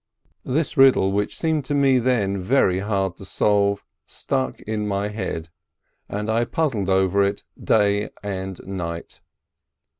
This riddle, which seemed to me then very hard to solve, stuck in my head, and I puzzled over it day and night.